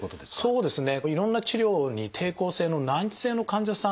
そうですね。